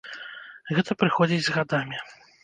Гэта прыходзіць з гадамі.